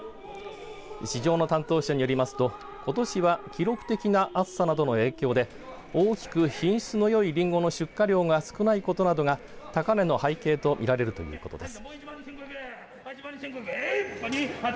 市場の担当者によりますとことしは記録的な暑さなどの影響で大きく品質のよいりんごの出荷量が少ないことなどが高値の背景と見られるということです。